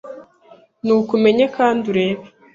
nuko umenye kandi urebe